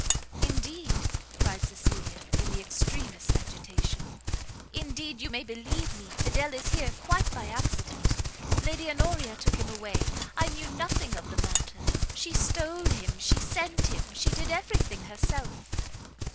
"Indeed," cried Cecilia, in the extremest agitation, "indeed you may believe me Fidel is here quite by accident. Lady Honoria took him away, I knew nothing of the matter, she stole him, she sent him, she did every thing herself."